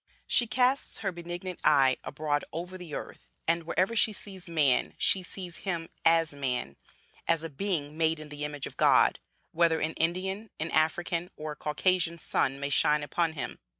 She casts her benignant eye abroad over the earth, and, wherever she sees man, she sees him as man, as a being made in the image of God, whether an Indian, an African, or a Caucasian sun may shine upon him.